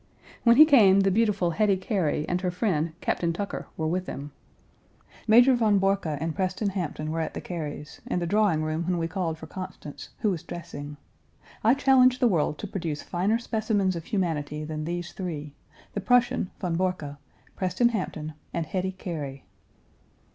When he came, the beautiful Hetty Cary and her friend, Captain Tucker, were with him. Major von Borcke and Preston Hampton were at the Cary's, in the drawing room when we called for Constance, who was dressing. I challenge the world to produce finer specimens of humanity than these three: the Prussian von Borcke, Preston Hampton, and Hetty Cary.